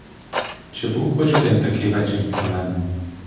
Чи був хоч один такий вечір для мене?